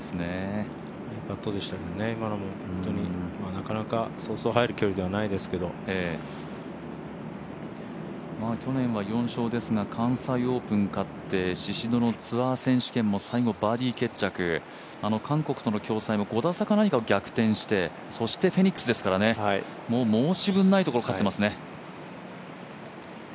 いいパットでしたけどね、今のもそうそう入る距離じゃないですけど去年は４勝ですが関西オープン勝って、宍戸のツアー選手権も最後バーディー決着、あの韓国との共催も５打差か何かを逆転してそしてフェニックスですからね申し分ないところを勝ってますね。